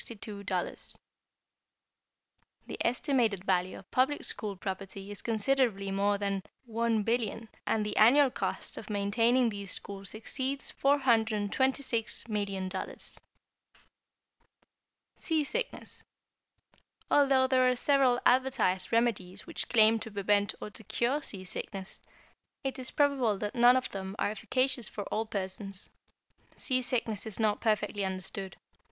00. The estimated value of public school property is considerably more than $1,000,000,000, and the annual cost of maintaining these schools exceeds $426,000,000. =Seasickness.= Although there are several advertised remedies which claim to prevent or to cure seasickness, it is probable that none of them are efficacious for all persons. Seasickness is not perfectly understood.